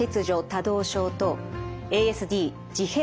・多動症とＡＳＤ自閉